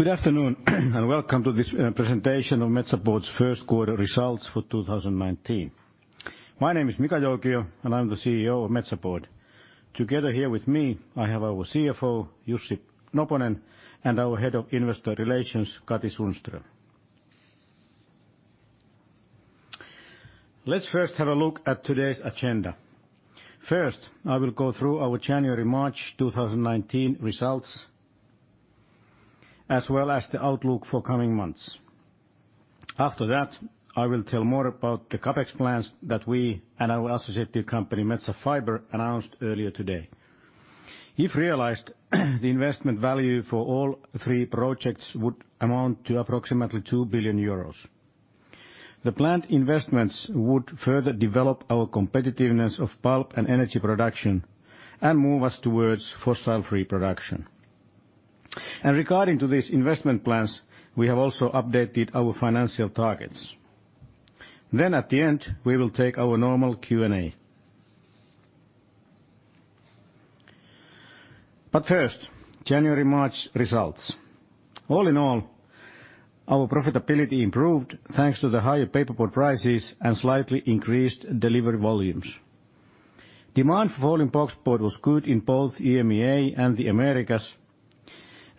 Good afternoon and welcome to this presentation of Metsä Board's first quarter results for 2019. My name is Mika Joukio and I'm the CEO of Metsä Board. Together here with me, I have our CFO, Jussi Noponen, and our Head of Investor Relations, Katri Sundström. Let's first have a look at today's agenda. First, I will go through our January-March 2019 results, as well as the outlook for coming months. After that, I will tell more about the CAPEX plans that we and our associated company, Metsä Fibre, announced earlier today. If realized, the investment value for all three projects would amount to approximately 2 billion euros. The planned investments would further develop our competitiveness of pulp and energy production and move us towards fossil-free production, and regarding these investment plans, we have also updated our financial targets, then at the end, we will take our normal Q&A. First, January-March results. All in all, our profitability improved thanks to the higher paperboard prices and slightly increased delivery volumes. Demand for folding boxboard was good in both EMEA and the Americas,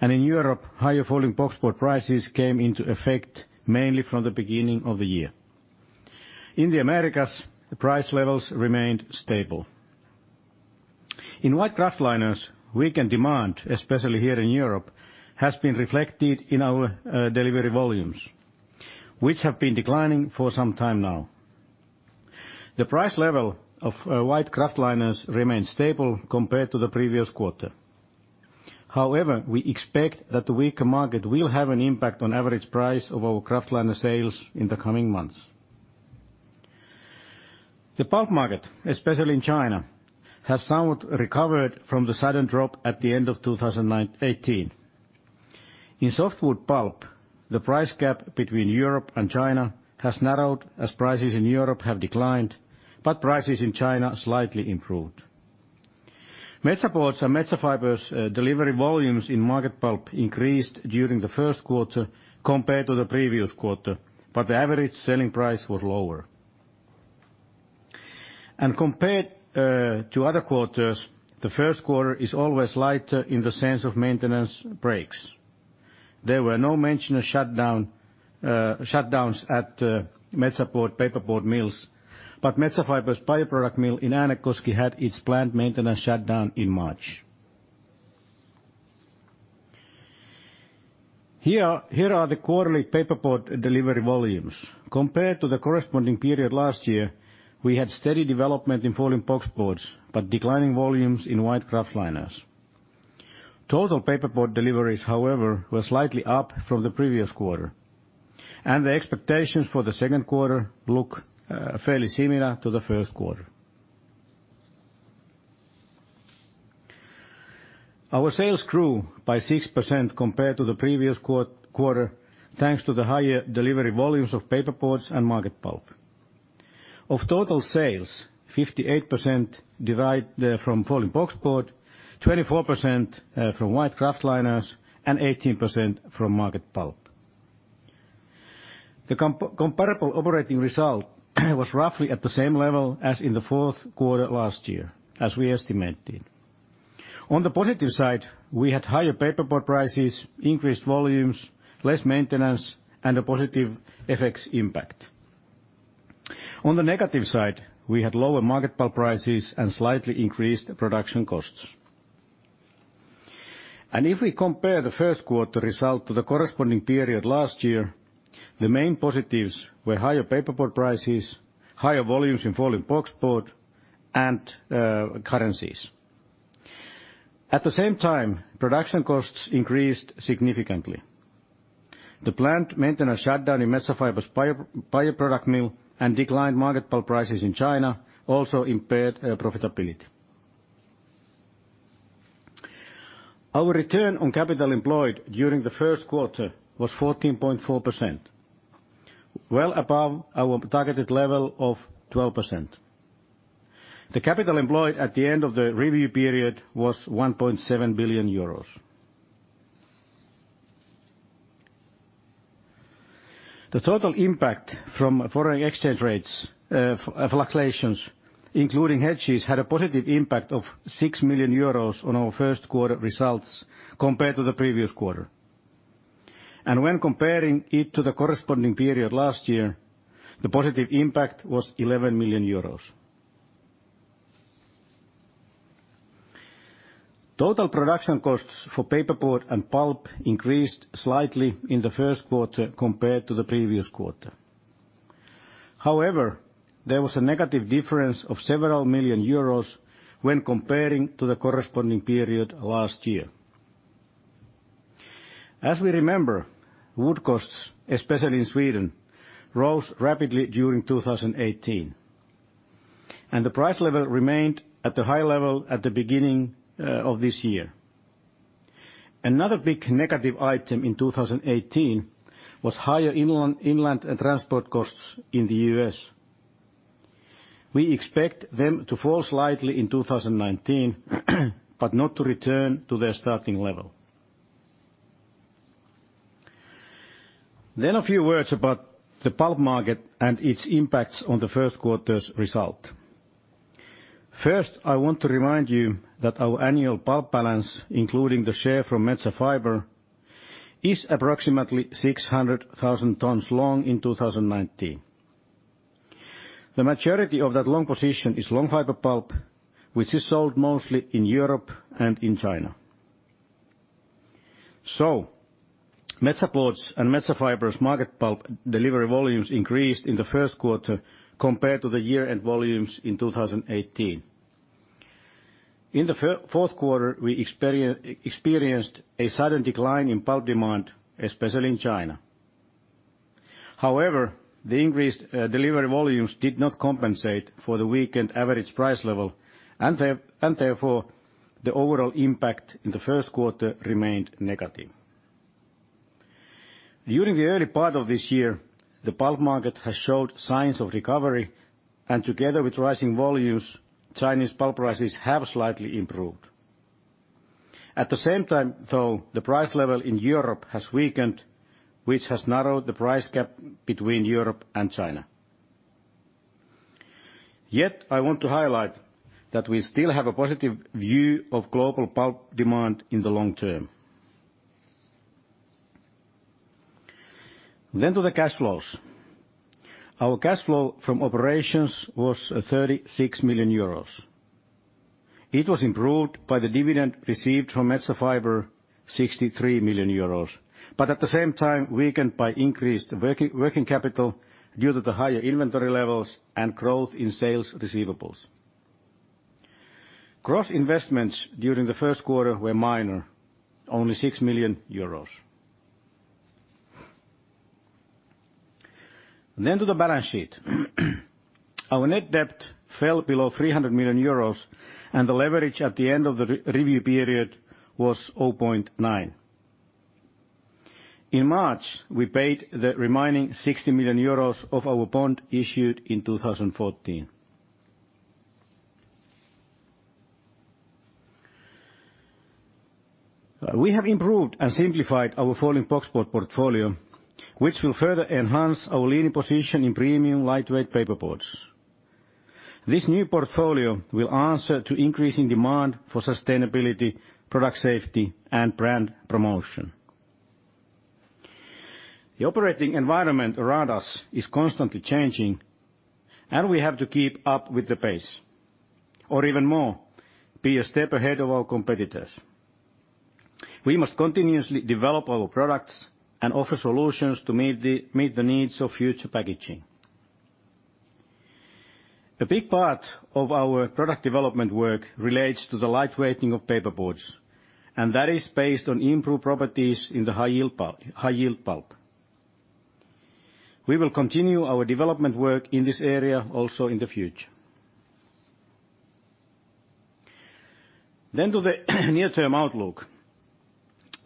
and in Europe, higher folding boxboard prices came into effect mainly from the beginning of the year. In the Americas, the price levels remained stable. In white kraftliners, weakened demand, especially here in Europe, has been reflected in our delivery volumes, which have been declining for some time now. The price level of white kraftliners remained stable compared to the previous quarter. However, we expect that the weaker market will have an impact on the average price of our kraftliner sales in the coming months. The pulp market, especially in China, has somewhat recovered from the sudden drop at the end of 2018. In softwood pulp, the price gap between Europe and China has narrowed as prices in Europe have declined, but prices in China slightly improved. Metsä Board's and Metsä Fibre's delivery volumes in market pulp increased during the first quarter compared to the previous quarter, but the average selling price was lower, and compared to other quarters, the first quarter is always lighter in the sense of maintenance breaks. There was no mention of shutdowns at Metsä Board paperboard mills, but Metsä Fibre's bioproduct mill in Äänekoski had its planned maintenance shutdown in March. Here are the quarterly paperboard delivery volumes. Compared to the corresponding period last year, we had steady development in folding boxboard but declining volumes in white kraftliners. Total paperboard deliveries, however, were slightly up from the previous quarter, and the expectations for the second quarter look fairly similar to the first quarter. Our sales grew by 6% compared to the previous quarter thanks to the higher delivery volumes of paperboards and market pulp. Of total sales, 58% derived from folding boxboard, 24% from white kraftliners, and 18% from market pulp. The comparable operating result was roughly at the same level as in the fourth quarter last year, as we estimated. On the positive side, we had higher paperboard prices, increased volumes, less maintenance, and a positive FX impact. On the negative side, we had lower market pulp prices and slightly increased production costs. And if we compare the first quarter result to the corresponding period last year, the main positives were higher paperboard prices, higher volumes in folding boxboard, and currencies. At the same time, production costs increased significantly. The planned maintenance shutdown in Metsä Fibre's bioproduct mill and declined market pulp prices in China also impaired profitability. Our return on capital employed during the first quarter was 14.4%, well above our targeted level of 12%. The capital employed at the end of the review period was 1.7 billion euros. The total impact from foreign exchange fluctuations, including hedges, had a positive impact of 6 million euros on our first quarter results compared to the previous quarter. When comparing it to the corresponding period last year, the positive impact was 11 million euros. Total production costs for paperboard and pulp increased slightly in the first quarter compared to the previous quarter. However, there was a negative difference of several million euros when comparing to the corresponding period last year. As we remember, wood costs, especially in Sweden, rose rapidly during 2018, and the price level remained at the high level at the beginning of this year. Another big negative item in 2018 was higher inland transport costs in the U.S. We expect them to fall slightly in 2019 but not to return to their starting level. Then a few words about the pulp market and its impacts on the first quarter's result. First, I want to remind you that our annual pulp balance, including the share from Metsä Fibre, is approximately 600,000 tons long in 2019. The majority of that long position is long fiber pulp, which is sold mostly in Europe and in China. So, Metsä Board's and Metsä Fibre's market pulp delivery volumes increased in the first quarter compared to the year-end volumes in 2018. In the fourth quarter, we experienced a sudden decline in pulp demand, especially in China. However, the increased delivery volumes did not compensate for the weakened average price level, and therefore the overall impact in the first quarter remained negative. During the early part of this year, the pulp market has showed signs of recovery, and together with rising volumes, Chinese pulp prices have slightly improved. At the same time, though, the price level in Europe has weakened, which has narrowed the price gap between Europe and China. Yet, I want to highlight that we still have a positive view of global pulp demand in the long term. Then to the cash flows. Our cash flow from operations was 36 million euros. It was improved by the dividend received from Metsä Fibre, 63 million euros, but at the same time weakened by increased working capital due to the higher inventory levels and growth in sales receivables. Gross investments during the first quarter were minor, only 6 million euros. Then to the balance sheet. Our net debt fell below 300 million euros, and the leverage at the end of the review period was 0.9. In March, we paid the remaining 60 million euros of our bond issued in 2014. We have improved and simplified our folding boxboard portfolio, which will further enhance our leading position in premium lightweight paperboards. This new portfolio will answer to increasing demand for sustainability, product safety, and brand promotion. The operating environment around us is constantly changing, and we have to keep up with the pace, or even more, be a step ahead of our competitors. We must continuously develop our products and offer solutions to meet the needs of future packaging. A big part of our product development work relates to the lightweighting of paperboards, and that is based on improved properties in the high-yield pulp. We will continue our development work in this area also in the future. Then to the near-term outlook.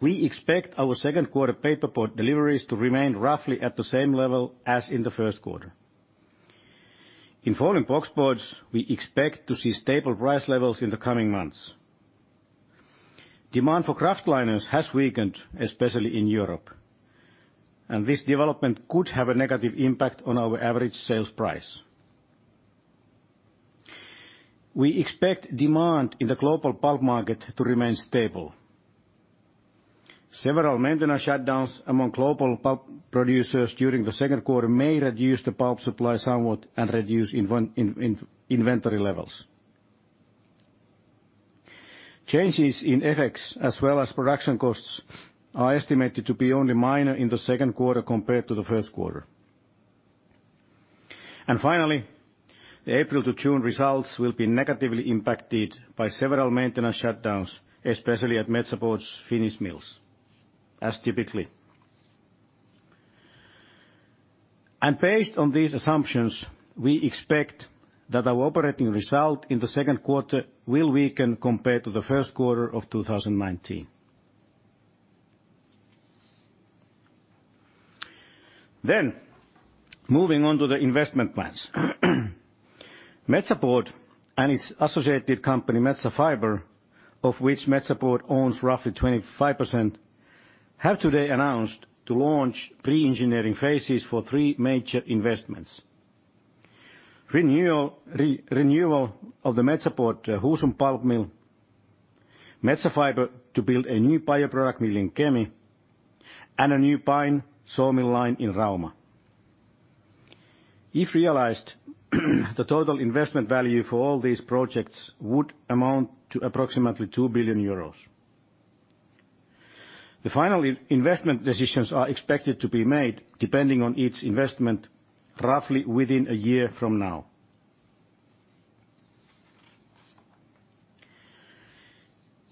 We expect our second quarter paperboard deliveries to remain roughly at the same level as in the first quarter. In folding boxboards, we expect to see stable price levels in the coming months. Demand for kraftliners has weakened, especially in Europe, and this development could have a negative impact on our average sales price. We expect demand in the global pulp market to remain stable. Several maintenance shutdowns among global pulp producers during the second quarter may reduce the pulp supply somewhat and reduce inventory levels. Changes in FX, as well as production costs, are estimated to be only minor in the second quarter compared to the first quarter. And finally, the April to June results will be negatively impacted by several maintenance shutdowns, especially at Metsä Board's Finnish mills, as typically. And based on these assumptions, we expect that our operating result in the second quarter will weaken compared to the first quarter of 2019. Then, moving on to the investment plans. Metsä Board and its associated company, Metsä Fibre, of which Metsä Board owns roughly 25%, have today announced to launch pre-engineering phases for three major investments: renewal of the Metsä Board Husum pulp mill, Metsä Fibre to build a new bioproduct mill in Kemi, and a new pine sawmill line in Rauma. If realized, the total investment value for all these projects would amount to approximately 2 billion euros. The final investment decisions are expected to be made, depending on each investment, roughly within a year from now.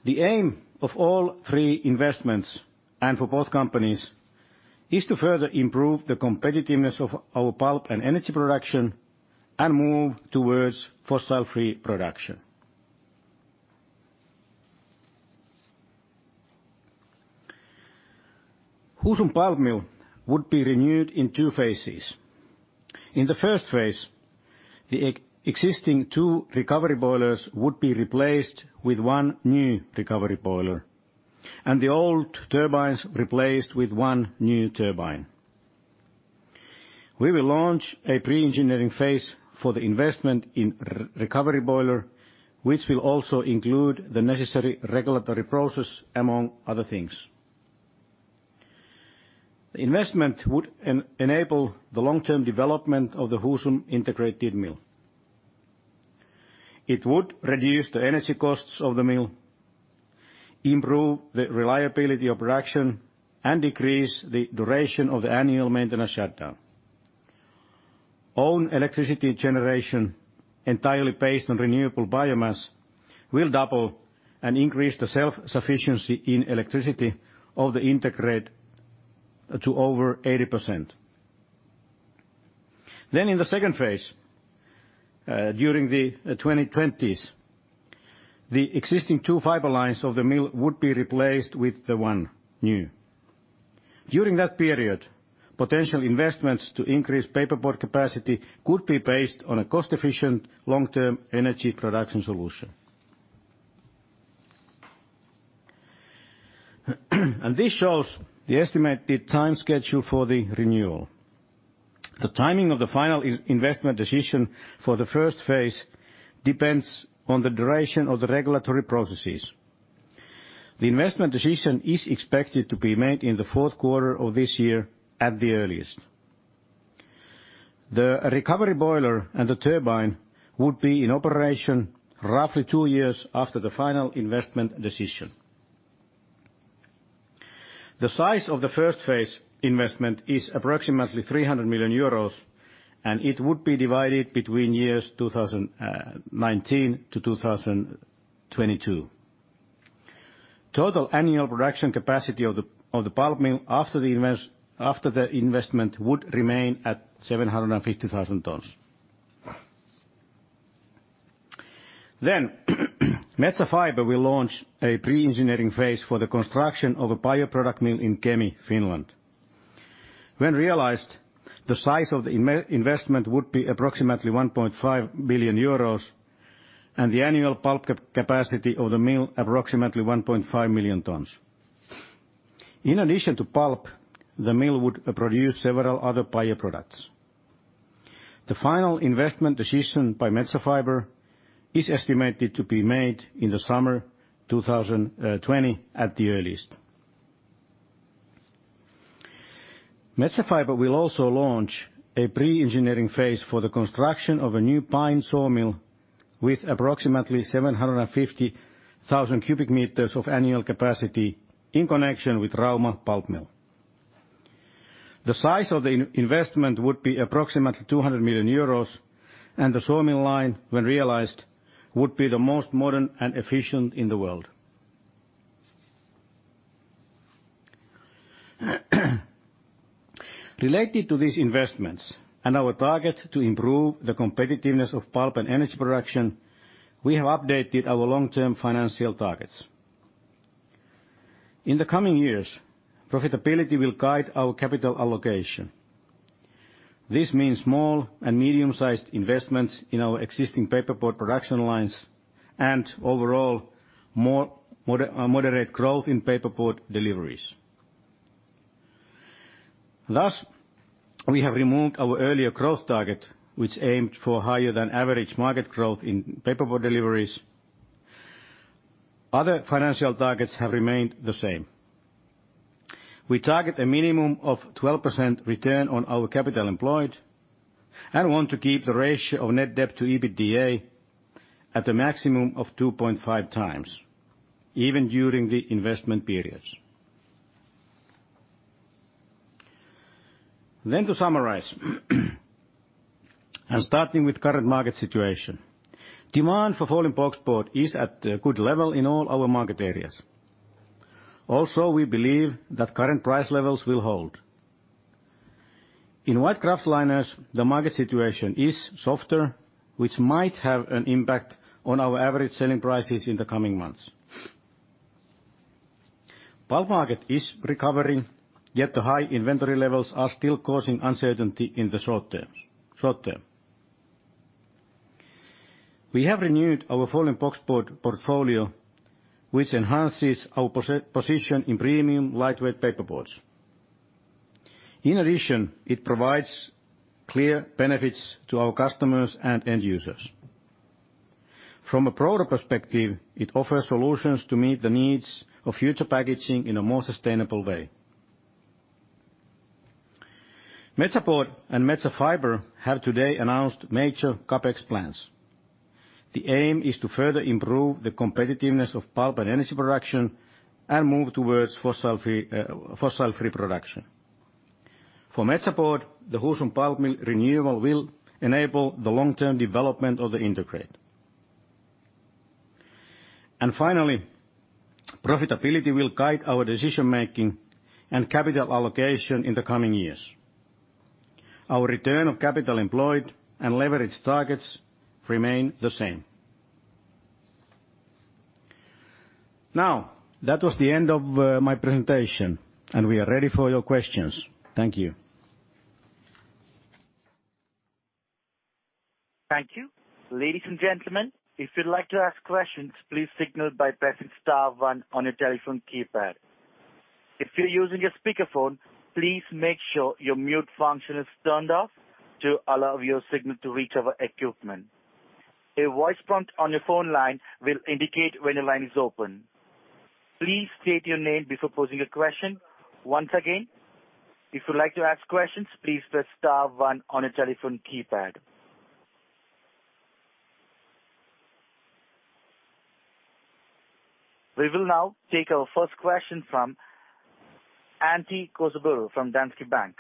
The aim of all three investments, and for both companies, is to further improve the competitiveness of our pulp and energy production and move towards fossil-free production. Husum pulp mill would be renewed in two phases. In the first phase, the existing two recovery boilers would be replaced with one new recovery boiler, and the old turbines replaced with one new turbine. We will launch a pre-engineering phase for the investment in recovery boiler, which will also include the necessary regulatory process, among other things. The investment would enable the long-term development of the Husum integrated mill. It would reduce the energy costs of the mill, improve the reliability of production, and decrease the duration of the annual maintenance shutdown. Own electricity generation, entirely based on renewable biomass, will double and increase the self-sufficiency in electricity of the integrated to over 80%. Then, in the second phase, during the 2020s, the existing two fiber lines of the mill would be replaced with the one new. During that period, potential investments to increase paperboard capacity could be based on a cost-efficient long-term energy production solution. And this shows the estimated time schedule for the renewal. The timing of the final investment decision for the first phase depends on the duration of the regulatory processes. The investment decision is expected to be made in the fourth quarter of this year at the earliest. The recovery boiler and the turbine would be in operation roughly two years after the final investment decision. The size of the first phase investment is approximately 300 million euros, and it would be divided between years 2019 to 2022. Total annual production capacity of the pulp mill after the investment would remain at 750,000 tons. Then, Metsä Fibre will launch a pre-engineering phase for the construction of a bioproduct mill in Kemi, Finland. When realized, the size of the investment would be approximately 1.5 billion euros, and the annual pulp capacity of the mill approximately 1.5 million tons. In addition to pulp, the mill would produce several other bioproducts. The final investment decision by Metsä Fibre is estimated to be made in the summer 2020 at the earliest. Metsä Fibre will also launch a pre-engineering phase for the construction of a new pine sawmill with approximately 750,000 cubic meters of annual capacity in connection with Rauma pulp mill. The size of the investment would be approximately 200 million euros, and the sawmill line, when realized, would be the most modern and efficient in the world. Related to these investments and our target to improve the competitiveness of pulp and energy production, we have updated our long-term financial targets. In the coming years, profitability will guide our capital allocation. This means small and medium-sized investments in our existing paperboard production lines and, overall, moderate growth in paperboard deliveries. Thus, we have removed our earlier growth target, which aimed for higher-than-average market growth in paperboard deliveries. Other financial targets have remained the same. We target a minimum of 12% return on our capital employed and want to keep the ratio of net debt to EBITDA at a maximum of 2.5 times, even during the investment periods. Then, to summarize, and starting with current market situation, demand for folding boxboard is at a good level in all our market areas. Also, we believe that current price levels will hold. In white kraftliners, the market situation is softer, which might have an impact on our average selling prices in the coming months. Pulp market is recovering, yet the high inventory levels are still causing uncertainty in the short term. We have renewed our folding boxboard portfolio, which enhances our position in premium lightweight paperboards. In addition, it provides clear benefits to our customers and end users. From a broader perspective, it offers solutions to meet the needs of future packaging in a more sustainable way. Metsä Board and Metsä Fibre have today announced major CAPEX plans. The aim is to further improve the competitiveness of pulp and energy production and move towards fossil-free production. For Metsä Board, the Husum pulp mill renewal will enable the long-term development of the integrated mill. Finally, profitability will guide our decision-making and capital allocation in the coming years. Our return on capital employed and leverage targets remain the same. Now, that was the end of my presentation, and we are ready for your questions. Thank you. Thank you. Ladies and gentlemen, if you'd like to ask questions, please signal by pressing star one on your telephone keypad. If you're using a speakerphone, please make sure your mute function is turned off to allow your signal to reach our equipment. A voice prompt on your phone line will indicate when the line is open. Please state your name before posing a question. Once again, if you'd like to ask questions, please press star one on your telephone keypad. We will now take our first question from Antti Koskivuori from Danske Bank.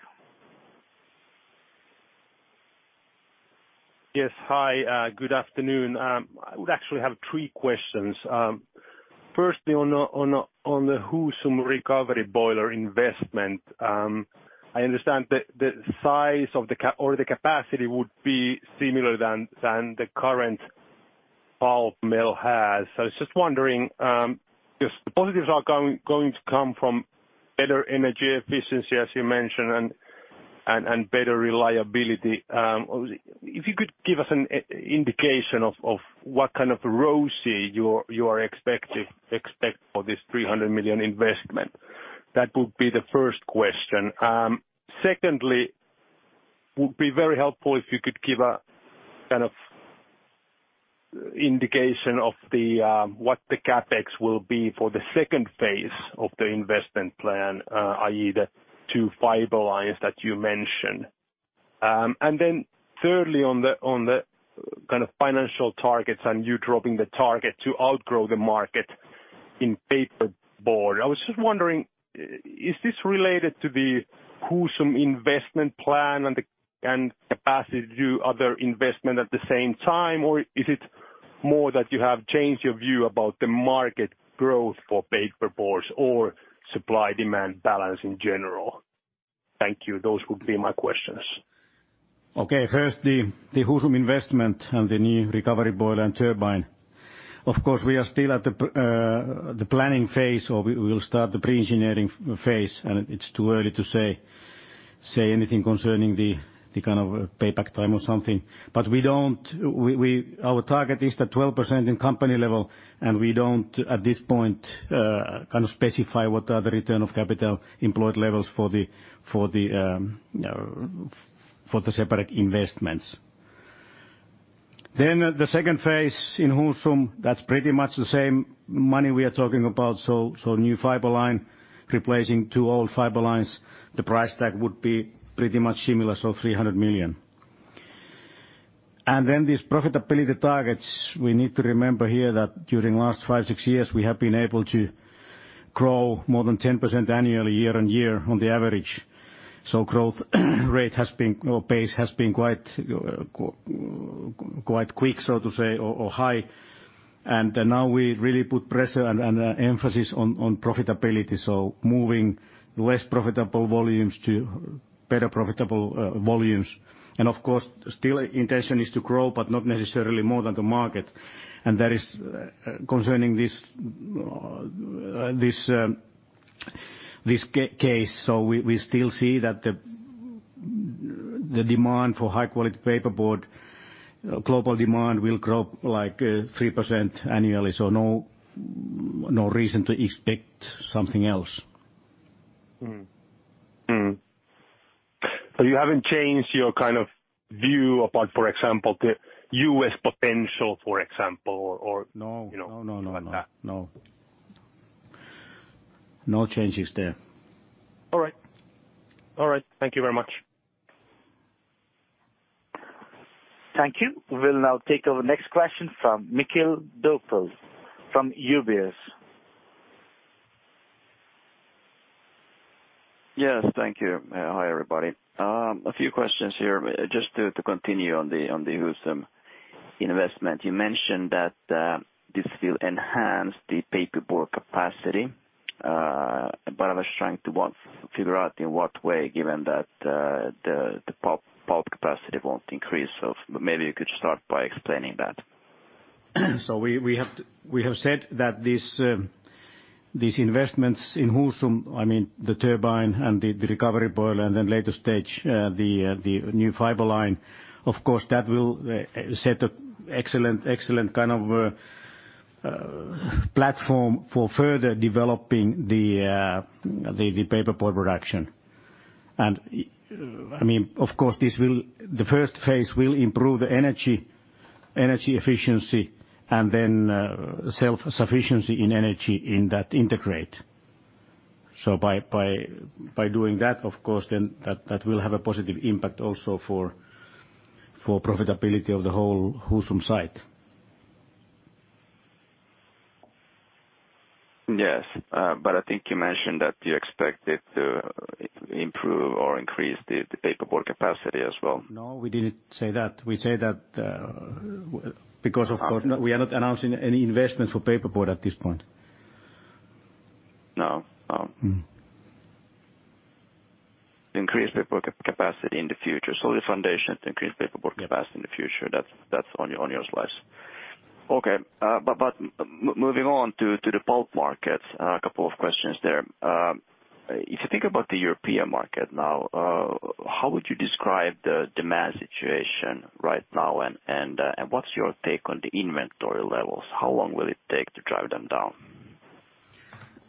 Yes, hi. Good afternoon. I would actually have three questions. Firstly, on the Husum recovery boiler investment, I understand the size or the capacity would be similar than the current pulp mill has. So I was just wondering, the positives are going to come from better energy efficiency, as you mentioned, and better reliability. If you could give us an indication of what kind of ROI you are expecting for this 300 million investment, that would be the first question. Secondly, it would be very helpful if you could give a kind of indication of what the CAPEX will be for the second phase of the investment plan, i.e., the two fiber lines that you mentioned. And then thirdly, on the kind of financial targets and you dropping the target to outgrow the market in paperboard. I was just wondering, is this related to the Husum investment plan and capacity to do other investment at the same time, or is it more that you have changed your view about the market growth for paperboards or supply-demand balance in general? Thank you. Those would be my questions. Okay. First, the Husum investment and the new recovery boiler and turbine. Of course, we are still at the planning phase or we will start the pre-engineering phase, and it's too early to say anything concerning the kind of payback time or something. But our target is the 12% in company level, and we don't, at this point, kind of specify what are the return on capital employed levels for the separate investments. Then the second phase in Husum, that's pretty much the same money we are talking about. So new fiber line replacing two old fiber lines, the price tag would be pretty much similar, so 300 million. And then these profitability targets, we need to remember here that during the last five, six years, we have been able to grow more than 10% annually, year on year, on the average. So growth rate or pace has been quite quick, so to say, or high. And now we really put pressure and emphasis on profitability, so moving less profitable volumes to better profitable volumes. And of course, still, intention is to grow, but not necessarily more than the market. And that is concerning this case. So we still see that the demand for high-quality paperboard, global demand will grow like 3% annually, so no reason to expect something else. So you haven't changed your kind of view about, for example, the U.S. potential, for example, or? No, no, no, no. Like that? No. No changes there. All right. All right. Thank you very much. Thank you. We will now take over the next question from Mikael Doepel from UBS. Yes, thank you. Hi, everybody. A few questions here just to continue on the Husum investment. You mentioned that this will enhance the paperboard capacity, but I was trying to figure out in what way, given that the pulp capacity won't increase. So maybe you could start by explaining that. So we have said that these investments in Husum, I mean, the turbine and the recovery boiler, and then later stage, the new fiber line, of course, that will set an excellent kind of platform for further developing the paperboard production. And I mean, of course, the first phase will improve the energy efficiency and then self-sufficiency in energy in that integrated mill. So by doing that, of course, then that will have a positive impact also for profitability of the whole Husum site. Yes, but I think you mentioned that you expect it to improve or increase the paperboard capacity as well. No, we didn't say that. We say that because, of course, we are not announcing any investments for paperboard at this point. No. No. To increase paperboard capacity in the future, so the foundation to increase paperboard capacity in the future, that's on your slides. Okay, but moving on to the pulp markets, a couple of questions there. If you think about the European market now, how would you describe the demand situation right now, and what's your take on the inventory levels? How long will it take to drive them down?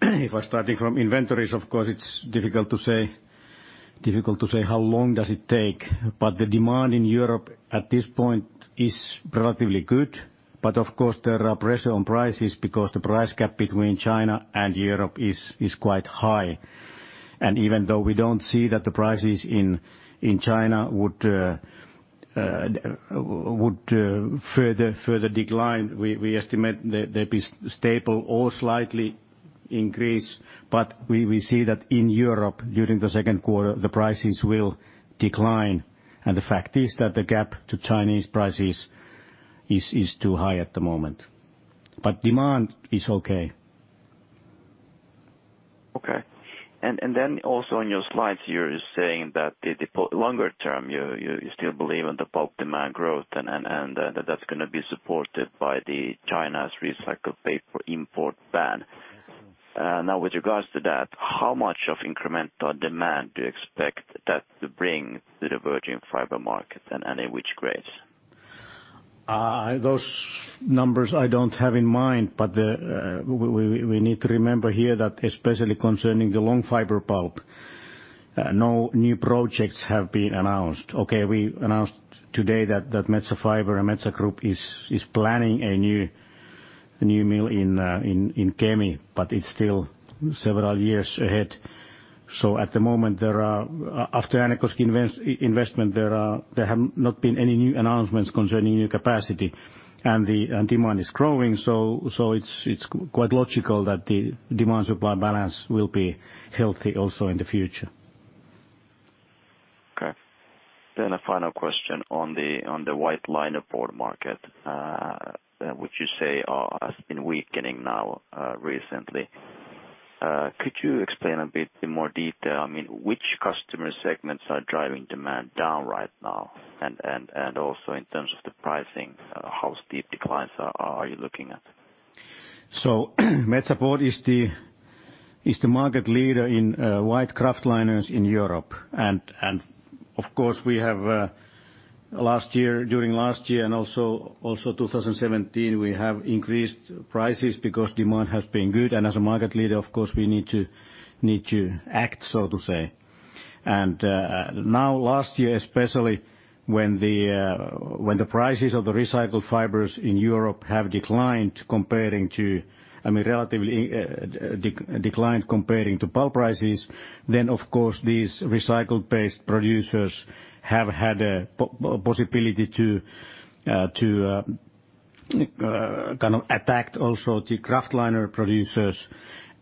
If I'm starting from inventories, of course, it's difficult to say how long does it take? But the demand in Europe at this point is relatively good. But of course, there are pressure on prices because the price gap between China and Europe is quite high. And even though we don't see that the prices in China would further decline, we estimate that they'll be stable or slightly increased. But we see that in Europe, during the second quarter, the prices will decline. And the fact is that the gap to Chinese prices is too high at the moment. But demand is okay. Okay. And then also on your slides, you're saying that the longer term, you still believe in the pulp demand growth, and that's going to be supported by China's recycled paper import ban. Now, with regards to that, how much of incremental demand do you expect that to bring to the virgin fiber market, and in which grades? Those numbers, I don't have in mind, but we need to remember here that especially concerning the long fiber pulp, no new projects have been announced. Okay, we announced today that Metsä Fibre and Metsä Group is planning a new mill in Kemi, but it's still several years ahead. So at the moment, after Äänekoski investment, there have not been any new announcements concerning new capacity. And the demand is growing, so it's quite logical that the demand-supply balance will be healthy also in the future. Okay. Then a final question on the white kraftliner market, which you say has been weakening now recently. Could you explain a bit in more detail, I mean, which customer segments are driving demand down right now? And also in terms of the pricing, how steep declines are you looking at? So Metsä Board is the market leader in white kraftliners in Europe. And of course, we have during last year and also 2017, we have increased prices because demand has been good. And as a market leader, of course, we need to act, so to say. And now, last year especially, when the prices of the recycled fibers in Europe have declined comparing to, I mean, relatively declined comparing to pulp prices, then of course, these recycled-based producers have had a possibility to kind of attack also the kraftliner producers.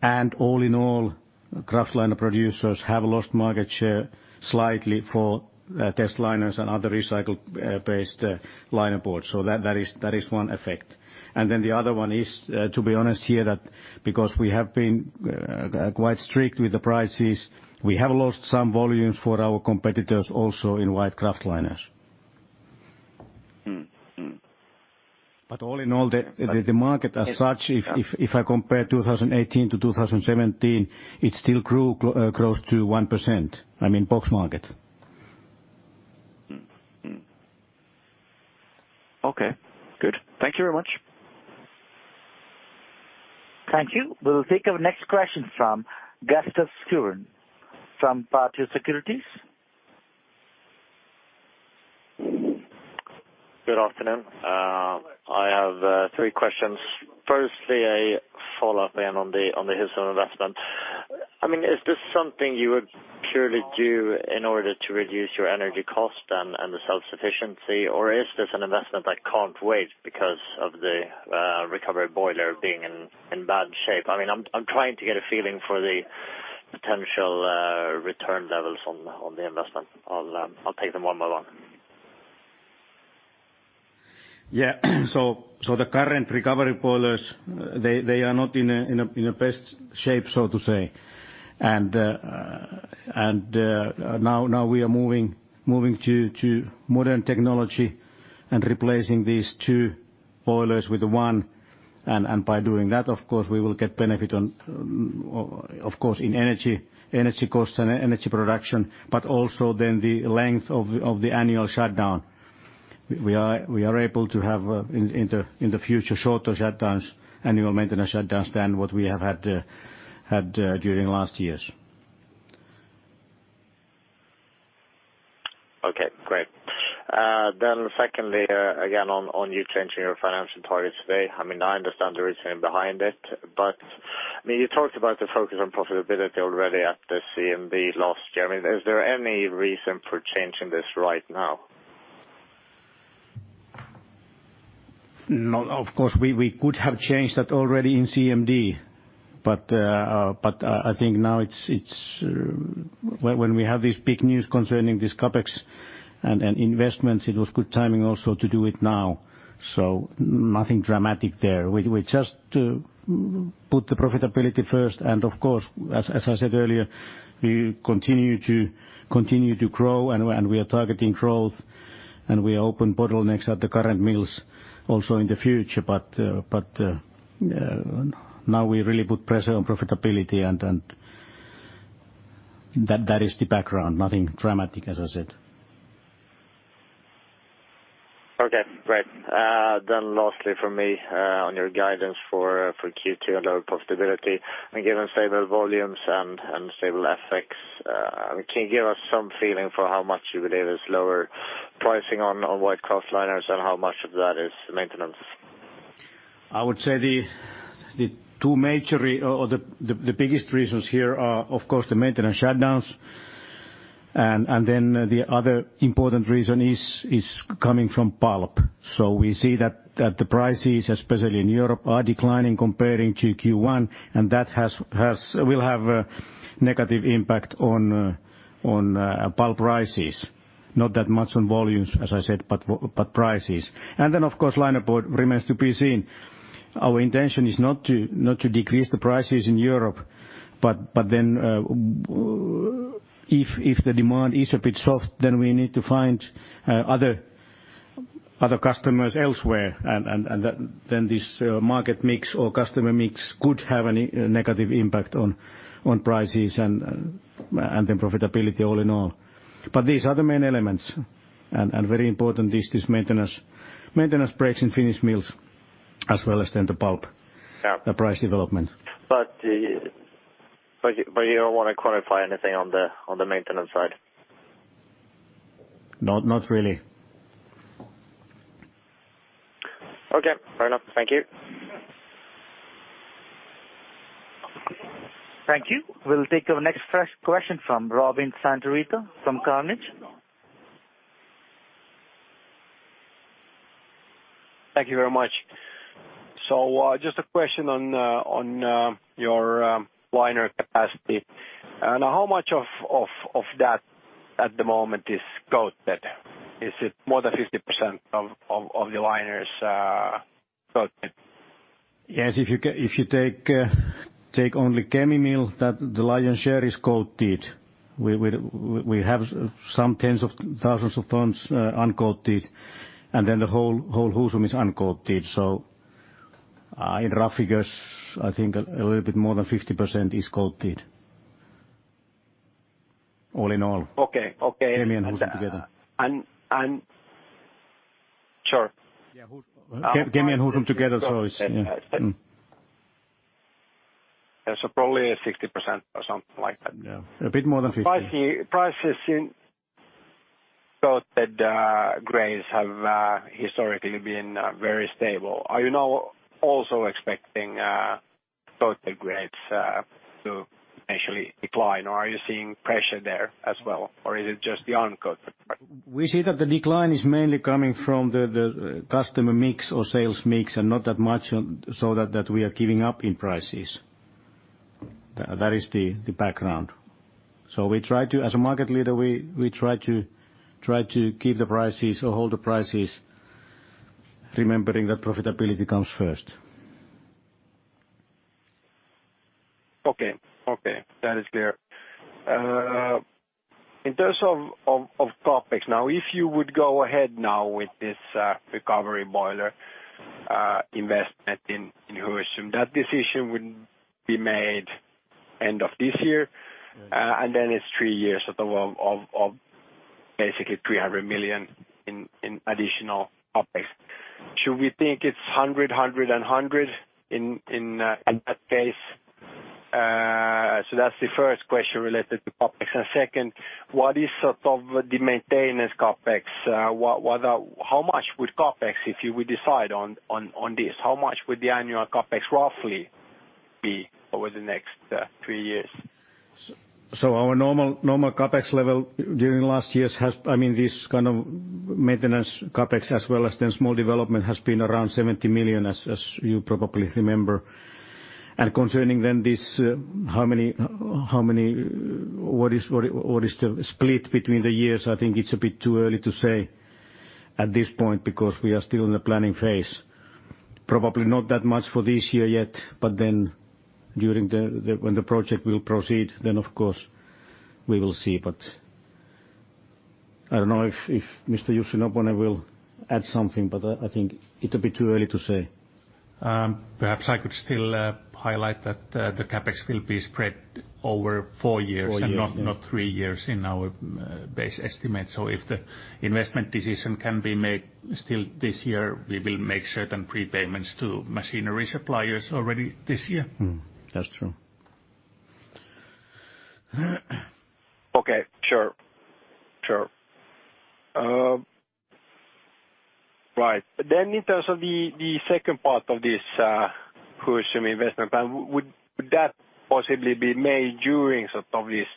And all in all, kraftliner producers have lost market share slightly for testliners and other recycled-based linerboards. So that is one effect. And then the other one is, to be honest here, that because we have been quite strict with the prices, we have lost some volumes for our competitors also in white kraftliners. But all in all, the market as such, if I compare 2018 to 2017, it still grew close to 1%, I mean, box market. Okay. Good. Thank you very much. Thank you. We will take our next question from Gustaf Schwerin from Pareto Securities. Good afternoon. I have three questions. Firstly, a follow-up on the Husum investment. I mean, is this something you would purely do in order to reduce your energy cost and the self-sufficiency, or is this an investment that can't wait because of the recovery boiler being in bad shape? I mean, I'm trying to get a feeling for the potential return levels on the investment. I'll take them one by one. Yeah. So the current recovery boilers, they are not in the best shape, so to say. And now we are moving to modern technology and replacing these two boilers with one. And by doing that, of course, we will get benefit on, of course, in energy costs and energy production, but also then the length of the annual shutdown. We are able to have in the future shorter shutdowns, annual maintenance shutdowns than what we have had during last years. Okay. Great. Then secondly, again, on you changing your financial targets today, I mean, I understand the reasoning behind it, but I mean, you talked about the focus on profitability already at the CMD last year. I mean, is there any reason for changing this right now? Of course, we could have changed that already in CMD, but I think now when we have these big news concerning these CAPEX and investments, it was good timing also to do it now. So nothing dramatic there. We just put the profitability first. And of course, as I said earlier, we continue to grow, and we are targeting growth, and we are opening bottlenecks at the current mills also in the future. But now we really put pressure on profitability, and that is the background. Nothing dramatic, as I said. Okay. Great. Then lastly for me, on your guidance for Q2 and lower profitability, and given stable volumes and stable effects, I mean, can you give us some feeling for how much you believe is lower pricing on white kraftliners and how much of that is maintenance? I would say the two major or the biggest reasons here are, of course, the maintenance shutdowns, and then the other important reason is coming from pulp, so we see that the prices, especially in Europe, are declining comparing to Q1, and that will have a negative impact on pulp prices. Not that much on volumes, as I said, but prices, and then, of course, liner board remains to be seen. Our intention is not to decrease the prices in Europe, but then if the demand is a bit soft, then we need to find other customers elsewhere, and then this market mix or customer mix could have a negative impact on prices and then profitability all in all, but these are the main elements, and very important, these maintenance breaks in Finnish mills, as well as then the pulp, the price development. But you don't want to quantify anything on the maintenance side? Not really. Okay. Fair enough. Thank you. Thank you. We'll take our next question from Robin Santavirta from Carnegie. Thank you very much. So just a question on your liner capacity. Now, how much of that at the moment is growth? Is it more than 50% of the liners coated? Yes. If you take only Kemi mill, the lion's share is coated. We have some tens of thousands of tons uncoated, and then the whole Husum is uncoated. So in rough figures, I think a little bit more than 50% is coated. All in all. Okay. Okay. Kemi and Husum together. And sure. Kemi and Husum together, so it's. Yeah, so probably 60% or something like that. Yeah. A bit more than 50%. Prices in kraft grades have historically been very stable. Are you now also expecting kraft grades to potentially decline, or are you seeing pressure there as well, or is it just the uncoated? We see that the decline is mainly coming from the customer mix or sales mix and not that much so that we are giving up in prices. That is the background. So we try to, as a market leader, we try to keep the prices or hold the prices, remembering that profitability comes first. Okay. Okay. That is clear. In terms of CAPEX, now, if you would go ahead now with this recovery boiler investment in Husum, that decision would be made end of this year, and then it's three years sort of of basically 300 million in additional CAPEX. Should we think it's 100 million, 100 million, and 100 million in that case? So that's the first question related to CAPEX. And second, what is sort of the maintenance CAPEX? How much would CAPEX, if you would decide on this, how much would the annual CAPEX roughly be over the next three years? Our normal CAPEX level during last year has, I mean, this kind of maintenance CAPEX as well as then small development has been around 70 million, as you probably remember. And concerning then this, what is the split between the years, I think it's a bit too early to say at this point because we are still in the planning phase. Probably not that much for this year yet, but then when the project will proceed, then of course we will see. But I don't know if Mr. Jussi Noponen will add something, but I think it will be too early to say. Perhaps I could still highlight that the CAPEX will be spread over four years and not three years in our base estimate. So if the investment decision can be made still this year, we will make certain prepayments to machinery suppliers already this year. That's true. Okay. Sure. Sure. Right. Then in terms of the second part of this Husum investment plan, would that possibly be made during sort of this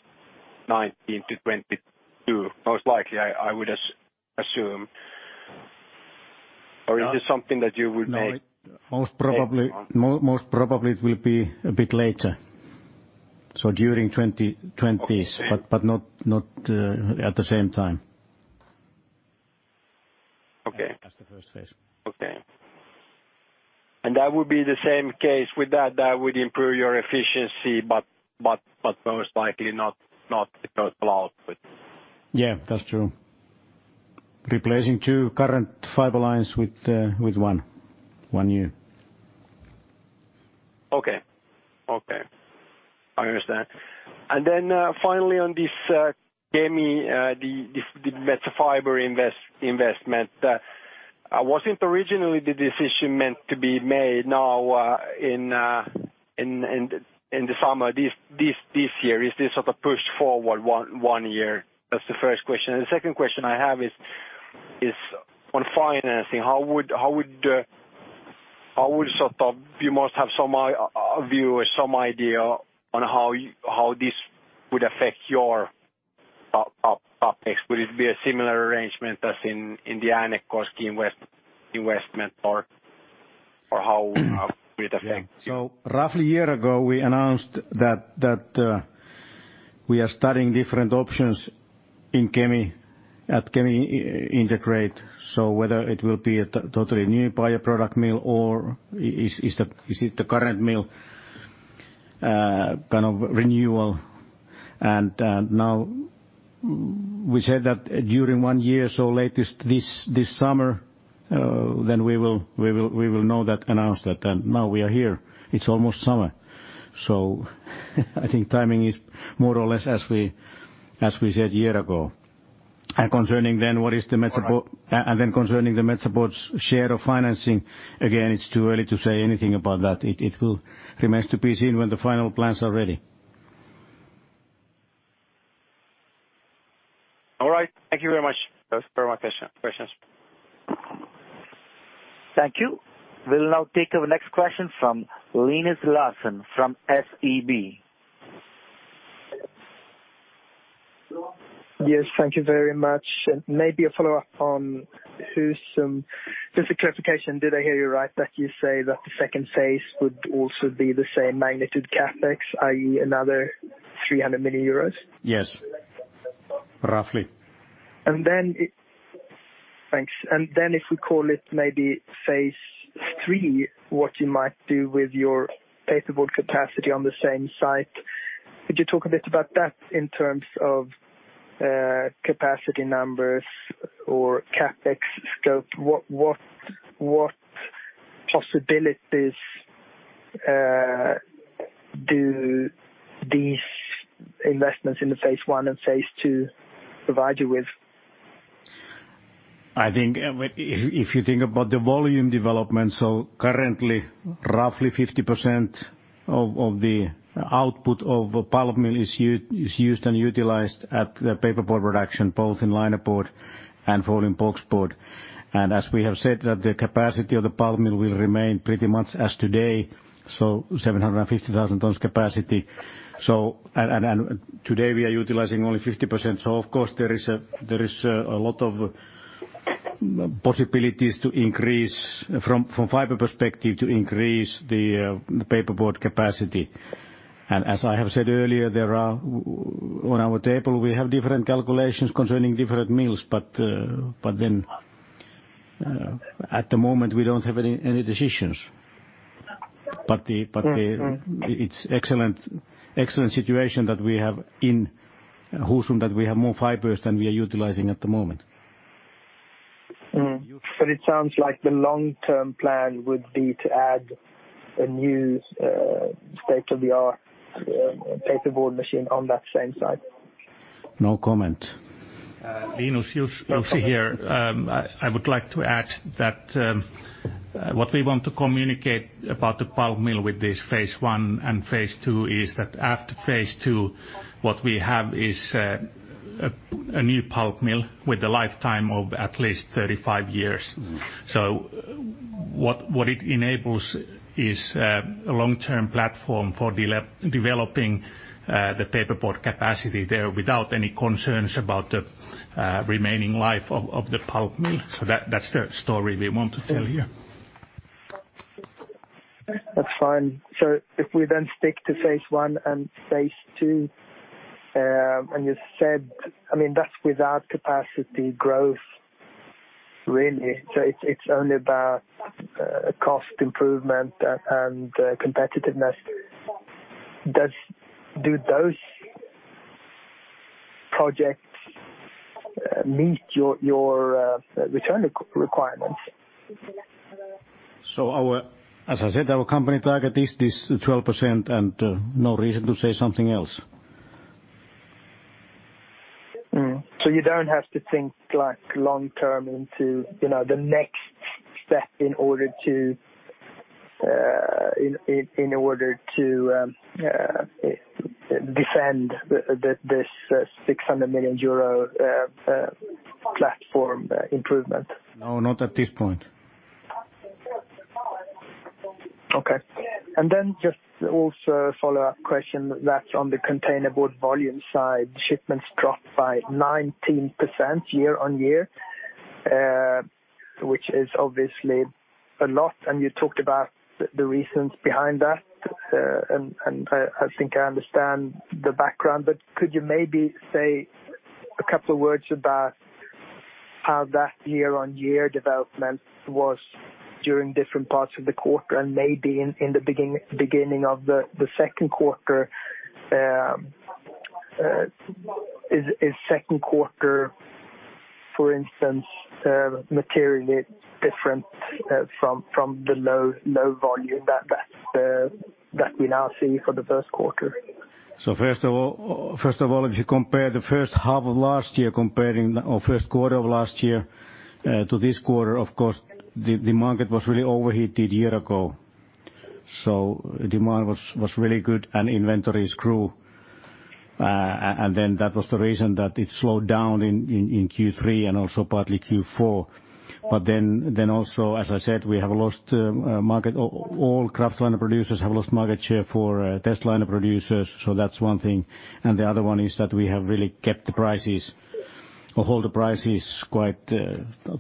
2019 to 2022? Most likely, I would assume. Or is this something that you would make? Most probably it will be a bit later. So during 2020s, but not at the same time. Okay. That's the first phase. Okay. And that would be the same case with that? That would improve your efficiency, but most likely not the total output. Yeah. That's true. Replacing two current fiber lines with one. One year. Okay. Okay. I understand. And then finally on this Kemi, the Metsä Fibre investment, wasn't originally the decision meant to be made now in the summer this year? Is this sort of pushed forward one year? That's the first question. And the second question I have is on financing. How would sort of you must have some view or some idea on how this would affect your CAPEX? Would it be a similar arrangement as in the Äänekoski investment, or how would it affect? Roughly a year ago, we announced that we are studying different options at Kemi integrated, whether it will be a totally new bioproduct mill or is it the current mill kind of renewal. Now we said that during one year, so latest this summer, then we will know. Announced that. Now we are here. It's almost summer. I think timing is more or less as we said a year ago. Concerning then the Metsä Board's share of financing, again, it's too early to say anything about that. It remains to be seen when the final plans are ready. All right. Thank you very much for my questions. Thank you. We'll now take our next question from Linus Larsson from SEB. Yes. Thank you very much. And maybe a follow-up on Husum. Just a clarification. Did I hear you right that you say that the second phase would also be the same magnitude CapEx, i.e., another 300 million euros? Yes. Roughly. And then, thanks. And then, if we call it maybe phase three, what you might do with your paperboard capacity on the same site. Could you talk a bit about that in terms of capacity numbers or CAPEX scope? What possibilities do these investments in the phase one and phase two provide you with? I think if you think about the volume development, so currently roughly 50% of the output of pulp mill is used and utilized at the paperboard production, both in linerboard and folding boxboard. And as we have said, the capacity of the pulp mill will remain pretty much as today, so 750,000 tons capacity. So today we are utilizing only 50%. So of course, there is a lot of possibilities to increase from fiber perspective to increase the paperboard capacity. And as I have said earlier, on our table, we have different calculations concerning different mills, but then at the moment, we don't have any decisions. But it's an excellent situation that we have in Husum, that we have more fibers than we are utilizing at the moment. But it sounds like the long-term plan would be to add a new state-of-the-art paperboard machine on that same site. No comment. Linus, Jussi here, I would like to add that what we want to communicate about the pulp mill with this phase one and phase two is that after phase two, what we have is a new pulp mill with a lifetime of at least 35 years. So what it enables is a long-term platform for developing the paperboard capacity there without any concerns about the remaining life of the pulp mill. So that's the story we want to tell here. That's fine. So if we then stick to phase one and phase two, and you said, I mean, that's without capacity growth, really. So it's only about cost improvement and competitiveness. Do those projects meet your return requirements? As I said, our company target is this 12%, and no reason to say something else. You don't have to think long-term into the next step in order to defend this 600 million euro platform improvement? No, not at this point. Okay. And then just also a follow-up question that's on the container board volume side. Shipments dropped by 19% year on year, which is obviously a lot. And you talked about the reasons behind that. And I think I understand the background, but could you maybe say a couple of words about how that year-on-year development was during different parts of the quarter and maybe in the beginning of the second quarter? Is second quarter, for instance, materially different from the low volume that we now see for the first quarter? So first of all, if you compare the first half of last year or first quarter of last year to this quarter, of course, the market was really overheated a year ago. So demand was really good and inventories grew. And then that was the reason that it slowed down in Q3 and also partly Q4. But then also, as I said, we have lost market. All kraftliner producers have lost market share for testliner producers. So that's one thing. And the other one is that we have really kept the prices or hold the prices quite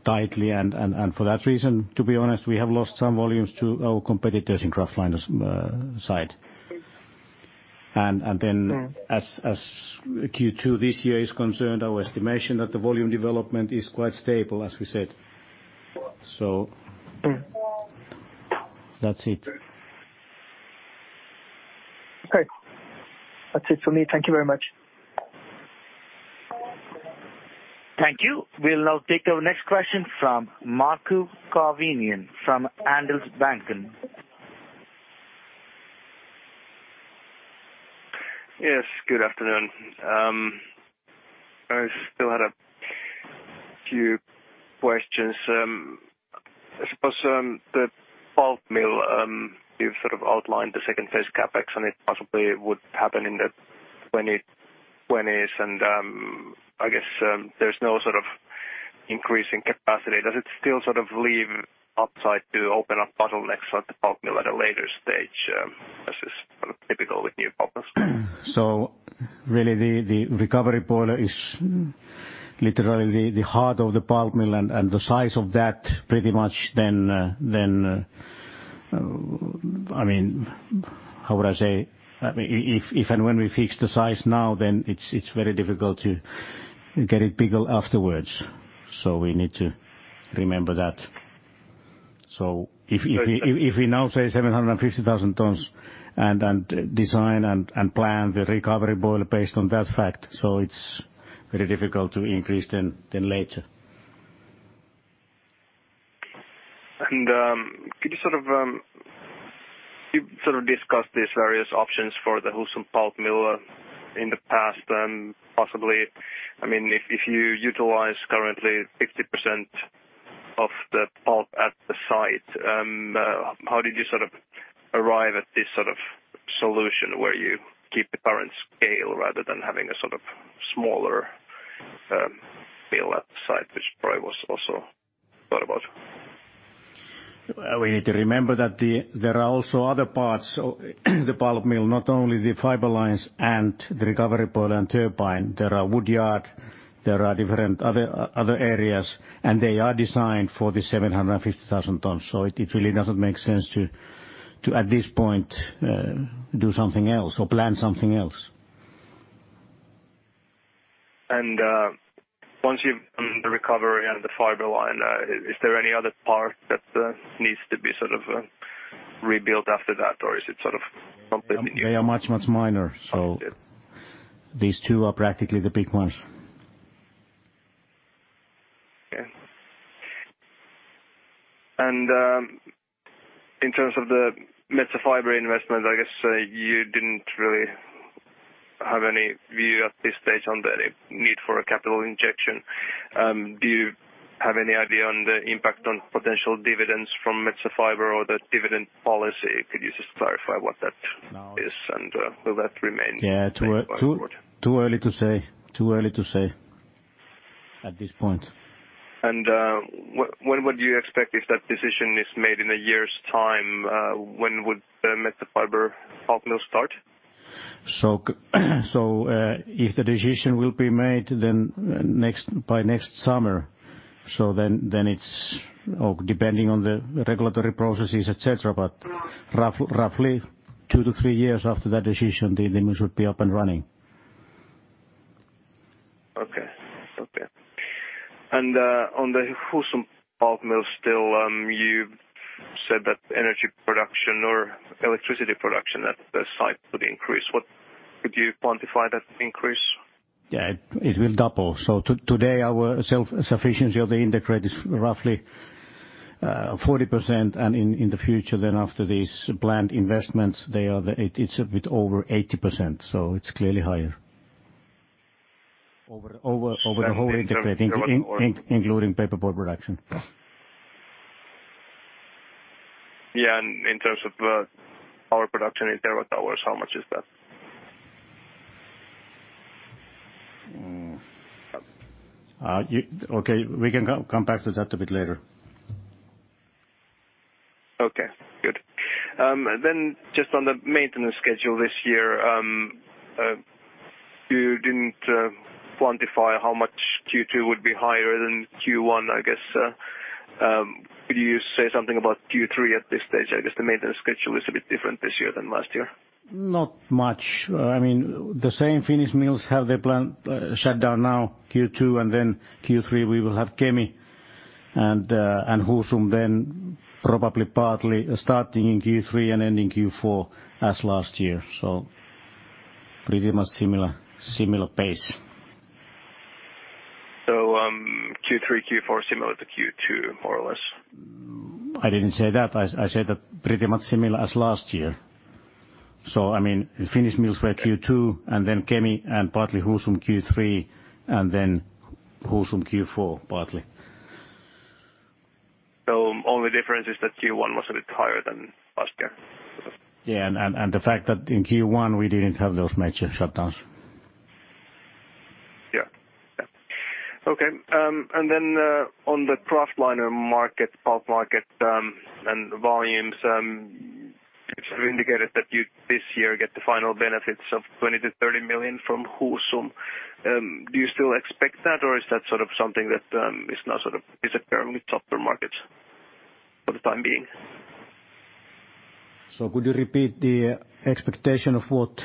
tightly. And for that reason, to be honest, we have lost some volumes to our competitors in kraftliners' side. And then as Q2 this year is concerned, our estimation that the volume development is quite stable, as we said. So that's it. Okay. That's it for me. Thank you very much. Thank you. We'll now take our next question from Markku Kivinen from Handelsbanken. Yes. Good afternoon. I still had a few questions. I suppose the pulp mill, you've sort of outlined the second phase CAPEX, and it possibly would happen in the 2020s. And I guess there's no sort of increase in capacity. Does it still sort of leave upside to open up bottlenecks at the pulp mill at a later stage? This is sort of typical with new pulp mills. So, really, the recovery boiler is literally the heart of the pulp mill, and the size of that pretty much then, I mean, how would I say? I mean, if and when we fix the size now, then it's very difficult to get it bigger afterwards. So we need to remember that. So if we now say 750,000 tons and design and plan the recovery boiler based on that fact, so it's very difficult to increase then later. Could you sort of discuss these various options for the Husum pulp mill in the past? Possibly, I mean, if you utilize currently 50% of the pulp at the site, how did you sort of arrive at this sort of solution where you keep the current scale rather than having a sort of smaller mill at the site, which probably was also thought about? We need to remember that there are also other parts of the pulp mill, not only the fiber lines and the recovery boiler and turbine. There are wood yards. There are different other areas, and they are designed for the 750,000 tons, so it really doesn't make sense to, at this point, do something else or plan something else. Once you've done the recovery and the fiber line, is there any other part that needs to be sort of rebuilt after that, or is it sort of completely? They are much, much minor. So these two are practically the big ones. Okay. And in terms of the Metsä Fibre investment, I guess you didn't really have any view at this stage on the need for a capital injection. Do you have any idea on the impact on potential dividends from Metsä Fibre or the dividend policy? Could you just clarify what that is and will that remain? Yeah. Too early to say. Too early to say at this point. And when would you expect if that decision is made in a year's time? When would the Metsä Fibre pulp mill start? If the decision will be made by next summer, so then it's depending on the regulatory processes, etc. But roughly two to three years after that decision, the dividends would be up and running. Okay. Okay, and on the Husum pulp mill still, you said that energy production or electricity production at the site would increase. Could you quantify that increase? Yeah. It will double. So today, our self-sufficiency of the integrated is roughly 40%. And in the future, then after these planned investments, it's a bit over 80%. So it's clearly higher. Over the whole integrated, including paperboard production. Yeah, and in terms of power production, in terawatt-hours, how much is that? Okay. We can come back to that a bit later. Okay. Good. Then just on the maintenance schedule this year, you didn't quantify how much Q2 would be higher than Q1, I guess. Could you say something about Q3 at this stage? I guess the maintenance schedule is a bit different this year than last year. Not much. I mean, the same Finnish mills have their plant shut down now, Q2. Then Q3, we will have Kemi and Husum then probably partly starting in Q3 and ending Q4 as last year. So pretty much similar pace. So Q3, Q4 similar to Q2, more or less? I didn't say that. I said that pretty much similar as last year. So I mean, Finnish mills were Q2 and then Kemi and partly Husum Q3 and then Husum Q4 partly. So only difference is that Q1 was a bit higher than last year. Yeah. And the fact that in Q1, we didn't have those major shutdowns. Yeah. Yeah. Okay. And then on the kraftliner market, pulp market and volumes, you sort of indicated that you this year get the final benefits of 20 million-30 million from Husum. Do you still expect that, or is that sort of something that is now sort of disappearing with softer markets for the time being? So could you repeat the expectation of what?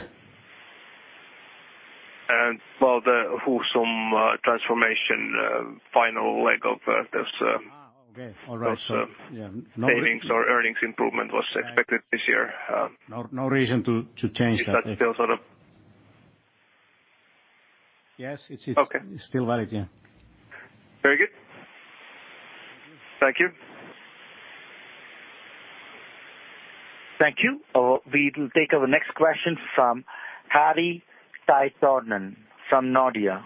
The Husum transformation, final leg of those. Okay. All right. Savings or earnings improvement was expected this year. No reason to change that. Is that still sort of? Yes. It's still valid. Yeah. Very good. Thank you. Thank you. We will take our next question from Harri Taittonen from Nordea.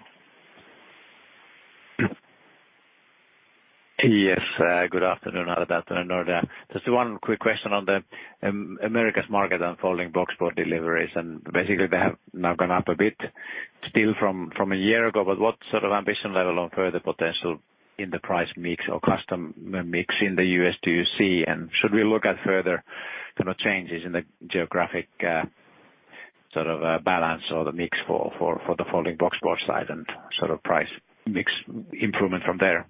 Yes. Good afternoon, Harri Taittonen. Just one quick question on the Americas market folding boxboard deliveries. And basically, they have now gone up a bit still from a year ago. But what sort of ambition level on further potential in the price mix or customer mix in the U.S. do you see? And should we look at further kind of changes in the geographic sort of balance or the mix for the folding boxboard side and sort of price mix improvement from there?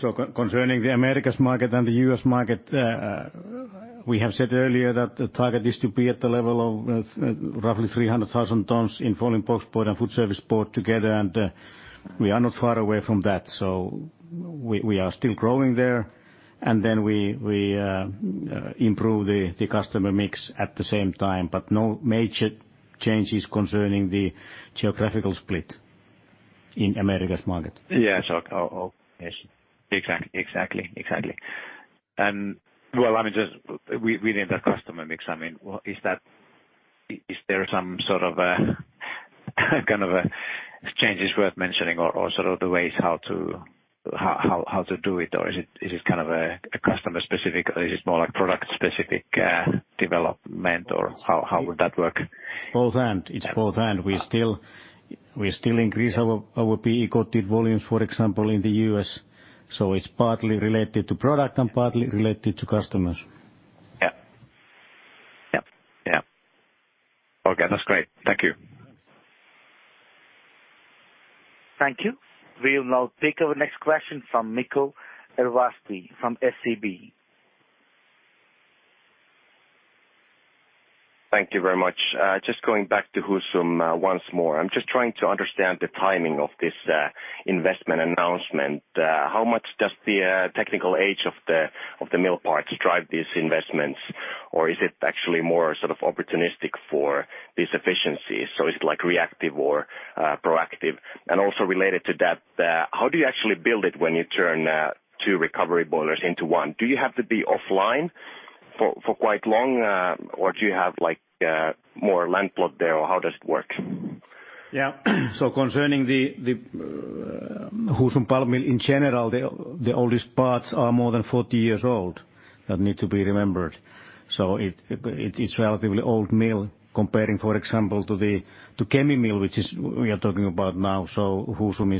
So concerning the Americas market and the U.S. market, we have said earlier that the target is to be at the level of roughly 300,000 tons in folding boxboard and food service board together. And we are not far away from that. So we are still growing there. And then we improve the customer mix at the same time, but no major changes concerning the geographical split in Americas market. Yeah. Exactly. And well, I mean, just within the customer mix, I mean, is there some sort of kind of changes worth mentioning or sort of the ways how to do it? Or is it kind of a customer-specific? Is it more like product-specific development, or how would that work? Both ends. It's both ends. We still increase our PE coated volumes, for example, in the U.S. So it's partly related to product and partly related to customers. Yeah. Yeah. Yeah. Okay. That's great. Thank you. Thank you. We'll now take our next question from Mikko Ervasti from SEB. Thank you very much. Just going back to Husum once more. I'm just trying to understand the timing of this investment announcement. How much does the technical age of the mill parts drive these investments, or is it actually more sort of opportunistic for these efficiencies? So is it reactive or proactive? And also related to that, how do you actually build it when you turn two recovery boilers into one? Do you have to be offline for quite long, or do you have more land plot there, or how does it work? Yeah, so concerning the Husum pulp mill in general, the oldest parts are more than 40 years old. That needs to be remembered, so it's a relatively old mill comparing, for example, to the Kemi mill, which we are talking about now, so Husum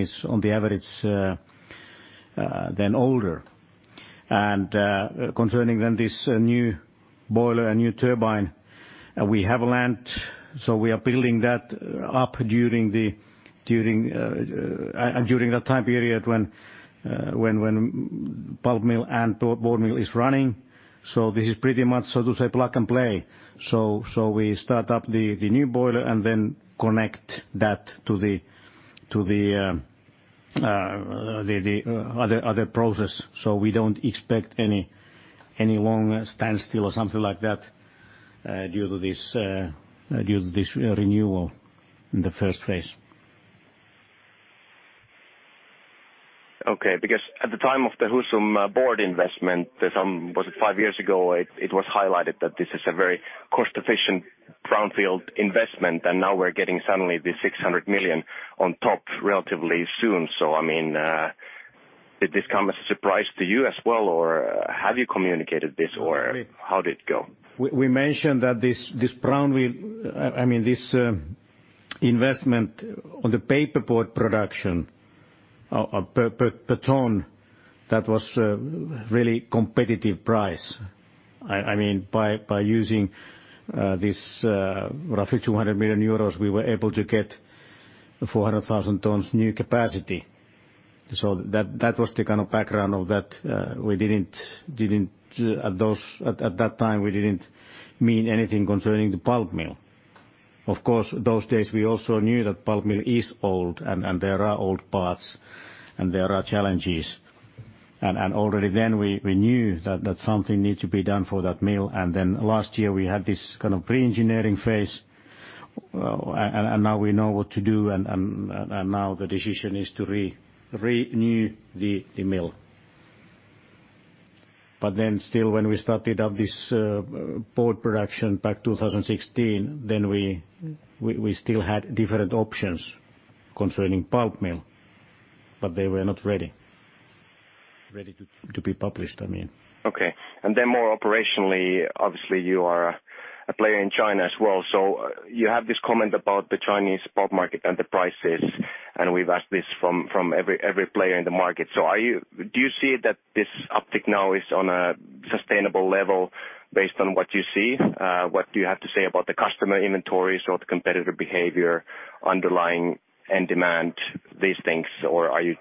is, on the average, then older, and concerning then this new boiler and new turbine, we have land. So we are building that up during that time period when pulp mill and board mill is running, so this is pretty much, so to say, plug and play. So we start up the new boiler and then connect that to the other process, so we don't expect any long standstill or something like that due to this renewal in the first phase. Okay. Because at the time of the Husum board investment, was it five years ago? It was highlighted that this is a very cost-efficient brownfield investment, and now we're getting suddenly the 600 million on top relatively soon, so I mean, did this come as a surprise to you as well, or have you communicated this, or how did it go? We mentioned that this brownfield, I mean, this investment on the paperboard production per ton, that was really competitive price. I mean, by using this roughly 200 million euros, we were able to get 400,000 tons new capacity. So that was the kind of background of that. At that time, we didn't mean anything concerning the pulp mill. Of course, those days, we also knew that pulp mill is old, and there are old parts, and there are challenges. And already then, we knew that something needed to be done for that mill. And then last year, we had this kind of pre-engineering phase. And now we know what to do. And now the decision is to renew the mill. But then still, when we started up this board production back 2016, then we still had different options concerning pulp mill, but they were not ready to be published, I mean. Okay, and then more operationally, obviously, you are a player in China as well, so you have this comment about the Chinese pulp market and the prices, and we've asked this from every player in the market, so do you see that this uptick now is on a sustainable level based on what you see? What do you have to say about the customer inventories or the competitor behavior, underlying end demand, these things? Or are you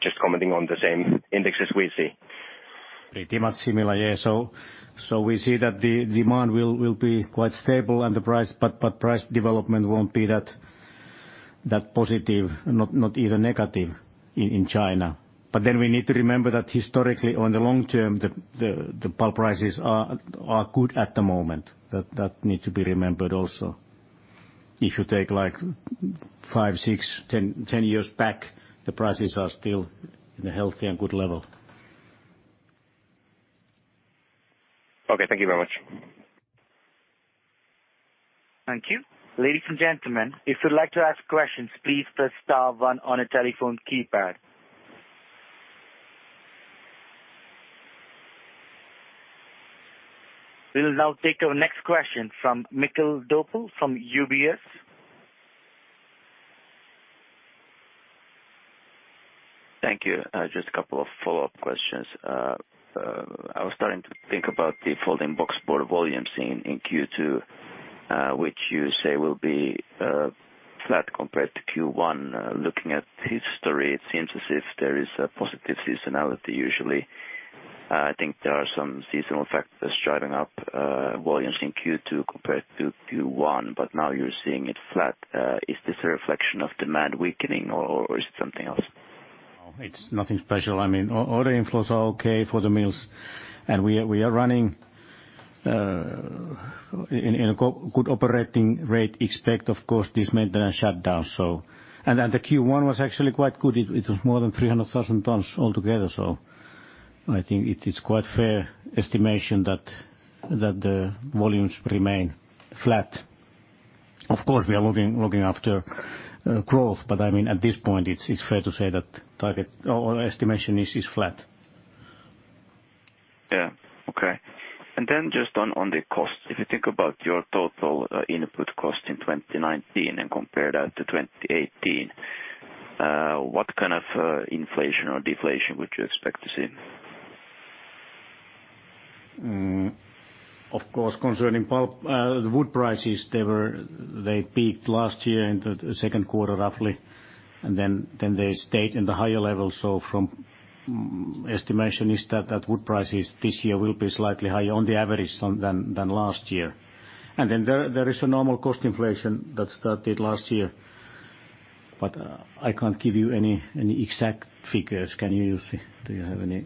just commenting on the same index as we see? Pretty much similar, yeah. So we see that the demand will be quite stable and the price, but price development won't be that positive, not even negative in China. But then we need to remember that historically, on the long term, the pulp prices are good at the moment. That needs to be remembered also. If you take like five, six, 10 years back, the prices are still in a healthy and good level. Okay. Thank you very much. Thank you. Ladies and gentlemen, if you'd like to ask questions, please press star one on a telephone keypad. We'll now take our next question from Mikael Doepel from UBS. Thank you. Just a couple of follow-up questions. I was starting to think about the folding boxboard volumes in Q2, which you say will be flat compared to Q1. Looking at history, it seems as if there is a positive seasonality usually. I think there are some seasonal factors driving up volumes in Q2 compared to Q1, but now you're seeing it flat. Is this a reflection of demand weakening, or is it something else? Nothing special. I mean, order inflows are okay for the mills. And we are running in a good operating rate. Except, of course, this maintenance shutdown. And the Q1 was actually quite good. It was more than 300,000 tons altogether. So I think it's quite a fair estimation that the volumes remain flat. Of course, we are looking after growth, but I mean, at this point, it's fair to say that target or estimation is flat. Yeah. Okay. And then just on the cost, if you think about your total input cost in 2019 and compare that to 2018, what kind of inflation or deflation would you expect to see? Of course, concerning the wood prices, they peaked last year in the second quarter roughly, and then they stayed in the higher level, so from estimation, it's that wood prices this year will be slightly higher on the average than last year, and then there is a normal cost inflation that started last year, but I can't give you any exact figures. Can you use it? Do you have any?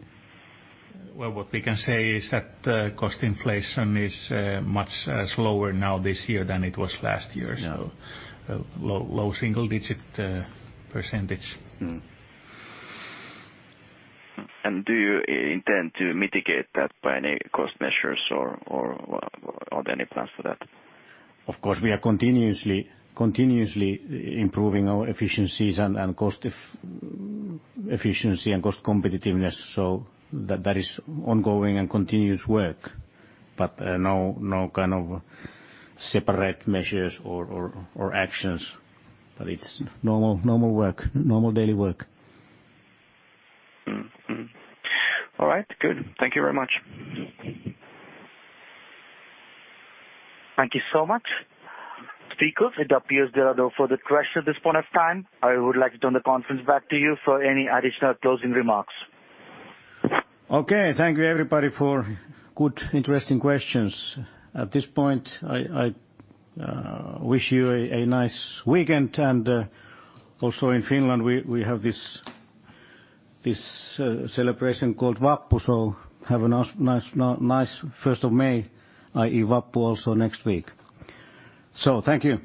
Well, what we can say is that cost inflation is much slower now this year than it was last year, so low single-digit %. Do you intend to mitigate that by any cost measures or are there any plans for that? Of course, we are continuously improving our efficiencies and cost efficiency and cost competitiveness. So that is ongoing and continuous work, but no kind of separate measures or actions. But it's normal work, normal daily work. All right. Good. Thank you very much. Thank you so much. Speakers, it appears there are no further questions at this point of time. I would like to turn the conference back to you for any additional closing remarks. Okay. Thank you, everybody, for good, interesting questions. At this point, I wish you a nice weekend. And also in Finland, we have this celebration called Vappu. So have a nice 1st of May, i.e., Vappu also next week. So thank you.